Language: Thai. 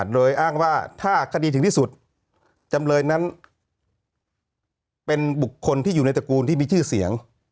โดยอ้างว่าถ้าคดีถึงที่สุดจำเลยนั้นเป็นบุคคลที่อยู่ในตระกูลที่มีชื่อเสียง